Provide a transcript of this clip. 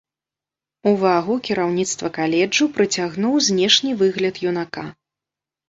Увагу кіраўніцтва каледжу прыцягнуў знешні выгляд юнака.